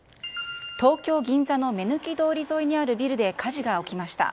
東京・銀座の目抜き通り沿いにあるビルで火事が起きました。